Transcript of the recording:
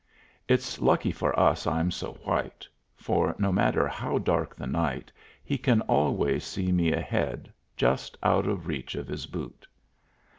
It's lucky for us I'm so white, for, no matter how dark the night, he can always see me ahead, just out of reach of his boot.